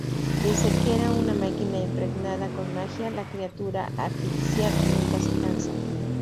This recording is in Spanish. Desde que era una máquina impregnada con magia la criatura artificial nunca se cansa.